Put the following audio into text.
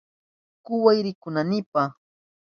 Kuway rikunaynipa.